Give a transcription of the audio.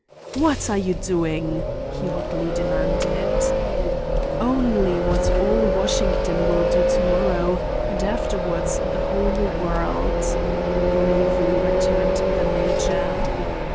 "What are you doing?" he hotly demanded. "Only what all Washington will do tomorrow, and afterwards the whole world," gravely returned the major.